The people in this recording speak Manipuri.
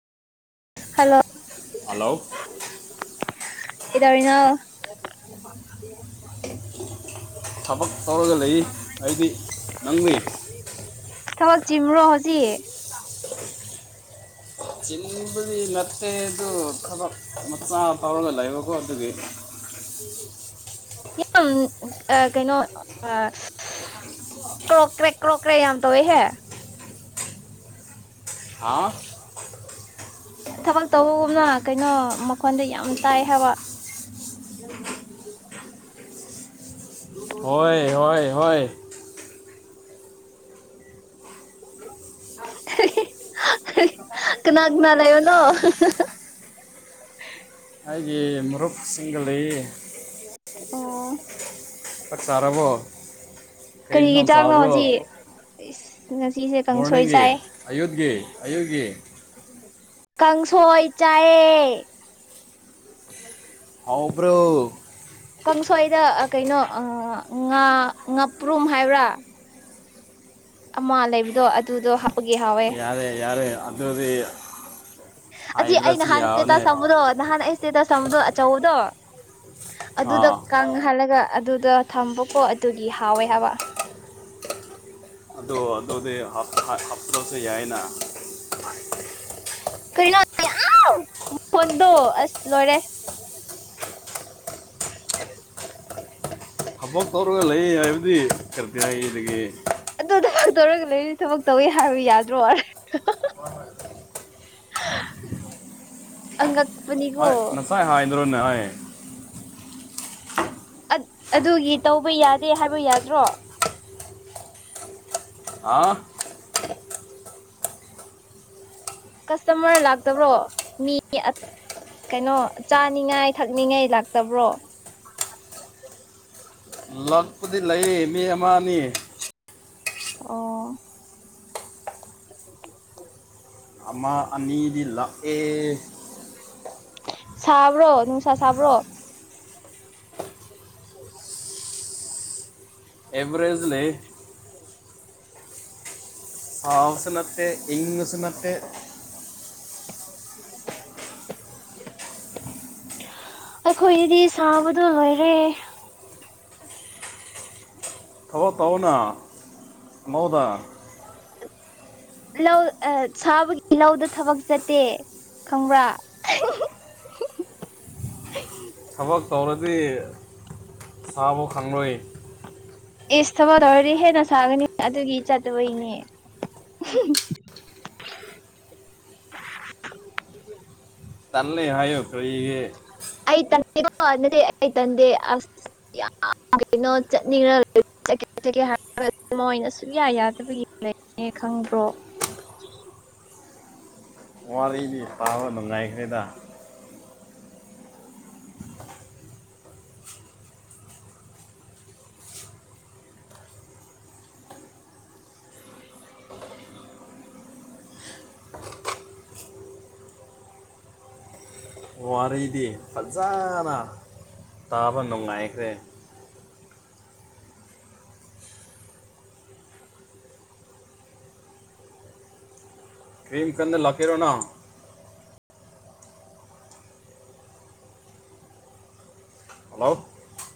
ꯍꯜꯂꯣ ꯍꯂꯣ ꯀꯩꯗꯧꯔꯤꯅꯣ? ꯊꯕꯛ ꯇꯧꯔꯒ ꯂꯩ ꯑꯩꯗꯤ ꯅꯪꯗꯤ? ꯊꯕꯛ ꯆꯤꯟꯕ꯭ꯔꯣ ꯍꯧꯖꯤꯛ? ꯆꯤꯟꯕꯗꯤ ꯅꯠꯇꯦ ꯑꯗꯨ ꯊꯕꯛ ꯃꯆꯥ ꯇꯧꯔꯒ ꯂꯩꯕꯀꯣ ꯑꯗꯨꯒꯤ ꯌꯥꯝ ꯑꯥ ꯀꯩꯅꯣ ꯑꯥ ꯀ꯭ꯔꯣꯛꯀ꯭ꯔꯦꯛ ꯀ꯭ꯔꯣꯀ꯭ꯔꯦ ꯌꯥꯝ ꯇꯧꯋꯦ ꯍꯦ ꯍꯥꯥꯎ ꯊꯕꯛ ꯇꯧꯕꯒꯨꯝꯅ ꯀꯩꯅꯣ ꯃꯈꯣꯟꯗ ꯌꯥꯝ ꯇꯥꯏ ꯍꯥꯏꯕ [unintelligible] ꯍꯣꯏ ꯍꯣꯏ ꯍꯣꯏ ꯀꯅꯥ ꯀꯅꯥ ꯂꯩꯕꯅꯣ? ꯑꯩꯒꯤ ꯃꯔꯨꯞꯁꯤꯡꯒ ꯂꯩ꯫ ꯑꯣ ꯆꯥꯛ ꯆꯥꯔꯕꯣ? ꯀꯩ ꯀꯔꯤꯒꯤ ꯏꯟꯁꯥꯡ ꯆꯥꯛꯅꯣ ꯆꯥꯕ꯭ꯔꯣ ꯍꯧꯖꯤꯛ ꯏꯁ ꯉꯁꯤꯁꯦ ꯀꯥꯡꯁꯣꯏ ꯃꯣꯔꯅꯤꯡꯒꯤ ꯆꯥꯏ ꯑꯌꯨꯠꯀꯤ ꯑꯌꯨꯛꯀꯤ [unintelligible] ꯀꯥꯡꯁꯣꯏ ꯆꯥꯏꯌꯦ꯫ ꯍꯥꯎꯕ꯭ꯔꯣ? ꯀꯥꯡꯁꯣꯏꯗ ꯑ ꯀꯩꯅꯣ ꯑꯥ ꯉꯥ ꯉꯥꯄ꯭ꯔꯨꯝ ꯍꯥꯏꯕ꯭ꯔꯥ [inaudible] ꯑꯃ ꯂꯩꯕꯗꯣ ꯑꯗꯨꯗꯣ ꯍꯥꯞ ꯌꯥꯔꯦ ꯌꯥꯔꯦ ꯑꯗꯨꯗꯤ ꯑꯁꯤ ꯑꯩ ꯍꯥꯏꯗ꯭ꯔꯁꯨ ꯅꯍꯥꯟ ꯌꯥꯕꯅꯦ ꯏꯁꯇꯦꯇꯥꯁ ꯇꯝꯕꯗꯣ ꯅꯍꯥꯟ ꯑꯩ ꯏꯁꯇꯦꯇꯁ ꯇꯝꯕꯗꯣ ꯑꯆꯧꯕꯗꯣ ꯑꯗꯨꯗ ꯑꯥ ꯀꯪ ꯍꯥꯜꯂꯒ ꯑꯗꯨꯗ ꯊꯝꯕꯀꯣ ꯑꯗꯨꯒꯤ ꯍꯥꯎꯋꯦ ꯍꯥꯏꯕ꯫ ꯑꯗꯣ ꯑꯗꯨꯗꯤ ꯍꯥꯌ ꯍꯥ ꯍꯥꯞꯇ꯭ꯔꯁꯨ ꯌꯥꯏꯅ꯫ ꯀꯩꯅꯣ ꯌꯥꯝ ꯃꯈꯣꯟꯗꯣ ꯑꯁ ꯂꯣꯏꯔꯦ꯫ ꯊꯕꯛ ꯇꯧꯔꯒ ꯂꯩ ꯍꯥꯏꯕꯗꯤ ꯀꯔꯤ ꯍꯥꯏꯗꯒꯤ ꯑꯗꯨ ꯊꯕꯛ ꯇꯧꯔꯒ ꯂꯩꯔꯤ ꯊꯕꯛ ꯇꯧꯋꯤ ꯍꯥꯏꯕ ꯌꯥꯗ꯭ꯔꯣ ꯑꯉꯛꯄꯅꯤꯀꯣ ꯉꯁꯥꯏ ꯑꯩ ꯍꯥꯏꯗ꯭ꯔꯣꯅꯦ ꯑꯩ ꯑꯠ ꯑꯗꯨꯒꯤ ꯇꯧꯕ ꯌꯥꯗꯦ ꯍꯥꯏꯕ ꯌꯥꯗ꯭ꯔꯣ ꯑꯥ ꯀꯁꯇꯃꯔ ꯂꯥꯛꯇꯕ꯭ꯔꯣ ꯃꯤ ꯀꯩꯅꯣ ꯆꯥꯅꯤꯡꯉꯥꯏ ꯊꯛꯅꯤꯡꯉꯥꯏ ꯂꯥꯛꯇꯕ꯭ꯔꯣ? ꯂꯥꯛꯄꯨꯗꯤ ꯂꯩꯌꯦ ꯃꯤ ꯑꯃ ꯑꯅꯤ ꯑꯣ ꯑꯃꯥ ꯑꯅꯤꯗꯤ ꯂꯥꯛ ꯑꯦ ꯁꯥꯕ꯭ꯔꯣ ꯅꯅꯨꯡꯁꯥ ꯁꯥꯕ꯭ꯔꯣ? [unintelligible] ꯑꯦꯕꯔꯦꯖ ꯂꯩ [unintelligible] ꯁꯥꯕꯁꯨ ꯅꯠꯇꯦ ꯏꯪꯕꯁꯨ ꯅꯠꯇꯦ꯫ [unintelligible] ꯑꯩꯈꯣꯏꯗꯤ ꯁꯥꯕꯗꯣ ꯂꯣꯏꯔꯦ ꯑꯋꯥ ꯇꯥꯎꯅꯥ ꯃꯧꯗ ꯂꯧ ꯁꯥꯕꯒꯤ ꯂꯧꯗ ꯊꯕꯛ ꯆꯠꯇꯦ ꯈꯪꯕ꯭ꯔꯥ ꯊꯕꯛ ꯇꯧꯔꯗꯤ ꯁꯥꯕꯧ ꯈꯪꯂꯣꯏ ꯑꯦꯁ ꯊꯕꯛ ꯇꯧꯔꯗꯤ ꯍꯦꯟꯅ ꯁꯥꯒꯅꯤ ꯑꯗꯨꯒꯤ ꯆꯠꯇꯕꯩꯅꯦ ꯇꯜ ꯂꯩ ꯍꯥꯏꯌꯣꯛ ꯈꯔ [unintelligible] ꯑꯩ ꯇꯜꯗꯦꯀꯣ ꯅꯠꯇꯦ ꯑꯩ ꯇꯟꯗꯦ ꯌꯥꯝ ꯀꯩꯅꯣ ꯆꯠꯅꯤꯡꯉꯦ ꯍꯥꯏ ꯃꯣꯏꯅ ꯁꯨꯌꯥ ꯌꯥꯗꯕꯒꯤ ꯂꯩ ꯑꯦ ꯈꯪꯗ꯭ꯔꯣ ꯋꯥꯔꯤꯗꯤ ꯄꯥꯕ ꯅꯨꯡꯉꯥꯏꯈ꯭ꯔꯦꯗ ꯋꯥꯔꯤꯗꯤ ꯐꯖꯅ ꯇꯥꯕ ꯅꯨꯡꯉꯥꯏꯈ꯭ꯔꯦ ꯀ꯭ꯔꯤꯝ ꯀꯟꯅ ꯂꯥꯛꯀꯦꯔꯣꯅ ꯍꯜꯂꯣ